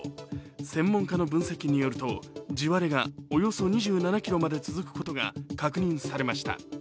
専門家の分析によると地割れがおよそ２７ｋｍ続いていることが確認されました。